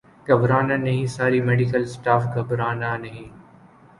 گھبرا نہ نہیں ساری میڈیکل سٹاف گھبرانہ نہیں